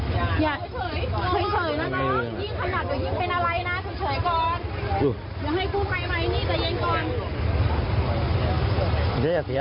เฉยนะน้องยิ่งขนาดก็ยิ่งเป็นอะไรนะเฉยก่อน